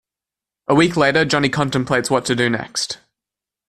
A week later, Johnny contemplates what to do next.